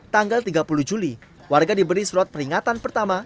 tanggal tiga puluh juli warga diberi surat peringatan pertama